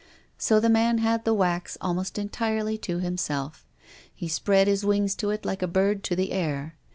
So the man had the wax almost entirely to himself. He spread his wings to it like a bird to the air.